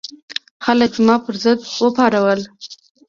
خلک زما پر ضد وپارول.